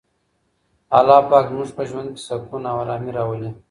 الله پاک زموږ په ژوند کي سکون او ارامي راولي.